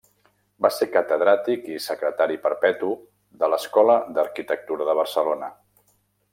Va ser catedràtic i secretari perpetu de l'Escola d'Arquitectura de Barcelona.